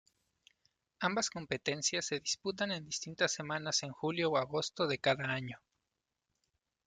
Ambas competencias se disputan en distintas semanas en julio o agosto de cada año.